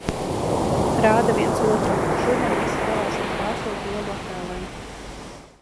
Rāda viens otram. Šodien visi dalās ar krāsotu olu attēliem.